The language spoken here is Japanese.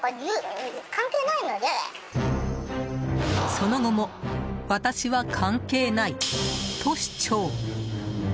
その後も私は関係ないと主張。